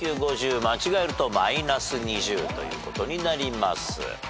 間違えるとマイナス２０ということになります。